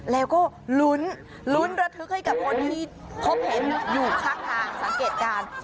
แล้วก็ลุ้นลุ้นระทึกให้กับคนที่พบเห็นอยู่ข้างทางสังเกตการณ์